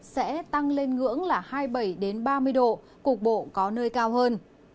sẽ tăng lên ngưỡng là hai mươi bảy ba mươi độ cục bộ có nơi cao hơn